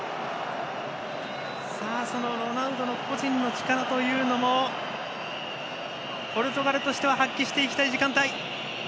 そのロナウドの個人の力というのもポルトガルとしては発揮していきたい時間帯。